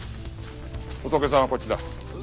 ホトケさんはこっちだ。